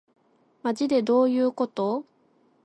まじでどういうこと